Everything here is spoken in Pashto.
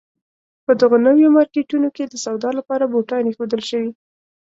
په دغو نویو مارکېټونو کې د سودا لپاره بوتان اېښودل شوي.